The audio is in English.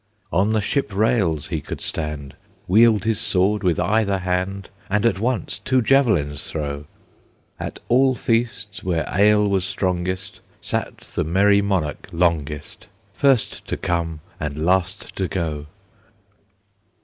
On the ship rails he could stand, Wield his sword with either hand, And at once two javelins throw; At all feasts where ale was strongest Sat the merry monarch longest, First to come and last to go.